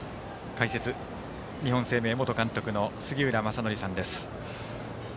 解説、日本生命元監督の杉浦正則さんです。